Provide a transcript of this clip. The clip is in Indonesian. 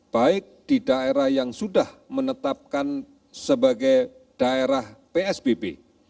baik di daerah yang sudah menetapkan sebagai daerah psbb